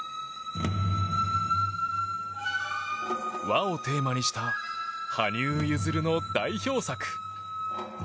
和をテーマにした羽生結弦の代表作。